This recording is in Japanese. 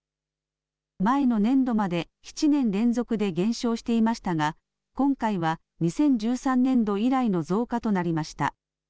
前の年度まで７年連続で減少していましたが今回は２０１３年度以来の増加となりました。